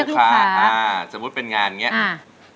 สมมุติเป็นงานอย่างนี้